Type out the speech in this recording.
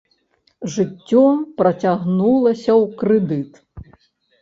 Жыццё працягнулася ў крэдыт.